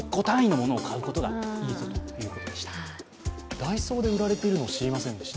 ダイソーで売られているのを知りませんでした。